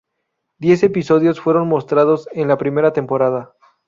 Diez episodios fueron mostrados en la primera temporada.